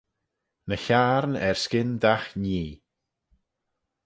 Ny Hiarn erskyn dagh nhee.